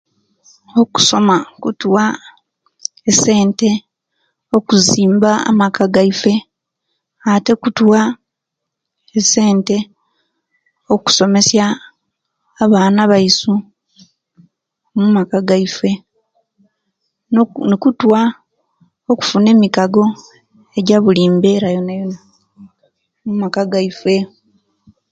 Okusoma kutuwa essente okuzimba amaka gaiswe, ate okutuwa essente okusomesya abaana baisu m'maka gaiswe, nok nokutuwa okufuna emikago ejobulimbeera yonayona omumaka gaiswe.